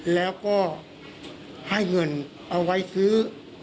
แล้วก็ให้เงินเอาไว้ซื้อ